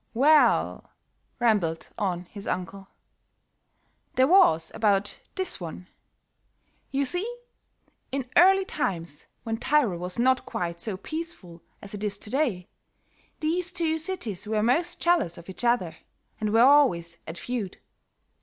"Well," rambled on his uncle, "there was about this one. You see, in early times, when Tyrol was not quite so peaceful as it is to day, these two cities were most jealous of each other, and were always at feud.